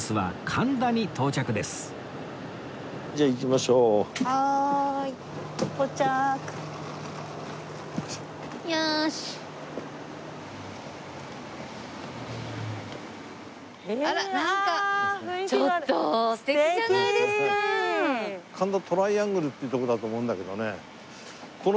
神田トライアングルっていう所だと思うんだけどね。